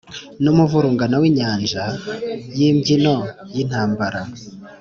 n'umuvurungano w'injyana y'imbyino y'intambara